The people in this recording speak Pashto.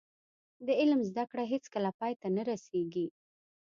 د علم زده کړه هیڅکله پای ته نه رسیږي.